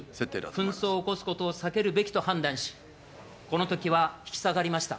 紛争を避けるべきだと判断し、このときは引き下がりました。